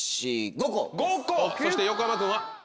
５個そして横浜君は？